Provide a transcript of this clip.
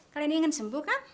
kalian ingin sembuh kan